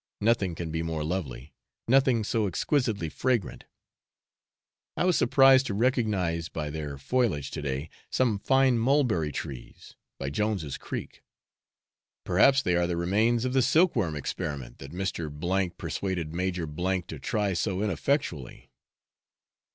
Nothing can be more lovely, nothing so exquisitely fragrant. I was surprised to recognise by their foliage, to day, some fine mulberry trees, by Jones's Creek; perhaps they are the remains of the silk worm experiment that Mr. C persuaded Major to try so ineffectually.